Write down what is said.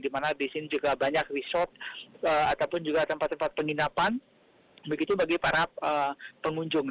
di mana di sini juga banyak resort ataupun juga tempat tempat penginapan begitu bagi para pengunjung